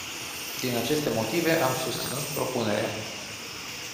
Din aceste motive am susținut propunerea.